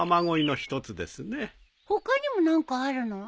他にも何かあるの？